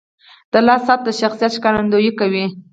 • د لاس ساعت د شخصیت ښکارندویي کوي.